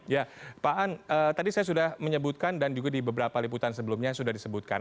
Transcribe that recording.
ya pak an tadi saya sudah menyebutkan dan juga di beberapa liputan sebelumnya sudah disebutkan